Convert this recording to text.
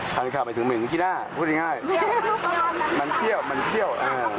คันแข่วหมายถึงเหมือนกี่หน้าพูดง่ายง่ายมันเที่ยวมันเที่ยว